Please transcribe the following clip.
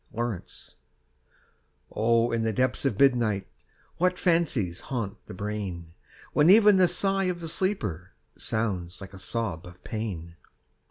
IN THE DARK O In the depths of midnight What fancies haunt the brain! When even the sigh of the sleeper Sounds like a sob of pain.